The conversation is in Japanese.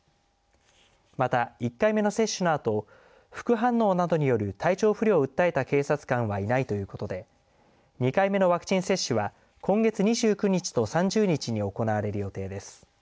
また１回目の接種のあと副反応などによる体調不良を訴えた警察官はいないということで２回目のワクチン接種は今月２９日と３０日に行われる予定です。